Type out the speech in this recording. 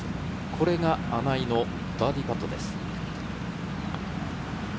これが穴井のバーディーパットです。